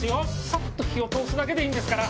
さっと火を通すだけでいいんですから。